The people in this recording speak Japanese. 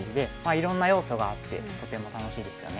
いろんな要素があってとても楽しいですよね。